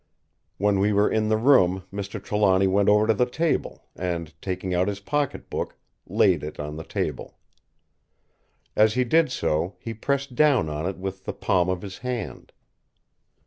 When we were in the room Mr. Trelawny went over to the table, and, taking out his pocket book, laid it on the table. As he did so he pressed down on it with the palm of his hand.